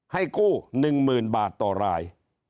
หนึ่งหมื่นบาทต่อราย